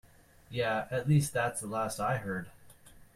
Yeah, at least that's the last I heard.